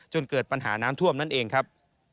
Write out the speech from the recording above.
เกิดปัญหาน้ำท่วมนั่นเองครับ